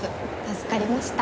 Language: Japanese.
助かりました。